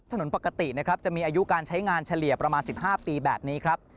ถนนปกตินะครับจะมีอายุการใช้งานเฉลี่ยประมาณ๑๕ปีแบบนี้ครับ